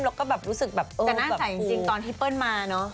เราก็แบบรู้สึกแบบเออแต่น่าใสจริงจริงตอนที่เปิ้ลมาเนอะ